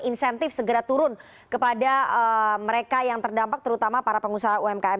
insentif segera turun kepada mereka yang terdampak terutama para pengusaha umkm